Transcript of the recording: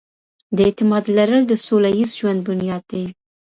د اعتماد لرل د سوله ييز ژوند بنياد دی.